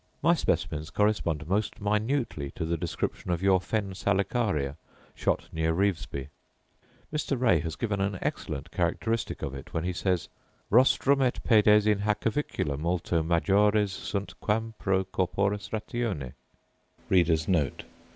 My specimens correspond most minutely to the description of your fen salicaria, shot near Revesby. Mr. Ray has given an excellent characteristic of it when he says, 'Rostrum & pedes in hac avicula multo majores sunt quam pro corporis ratione.